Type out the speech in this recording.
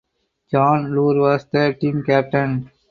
John Luhr was the team captain.